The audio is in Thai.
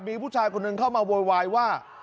มีผู้ชายคนหนึ่งเข้ามาโวยวายว่า